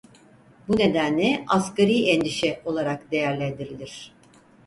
Bu nedenle Asgari Endişe olarak değerlendirilir.